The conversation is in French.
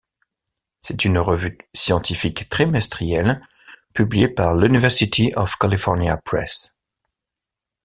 C'est une revue scientifique trimestrielle publiée par l'University of California Press.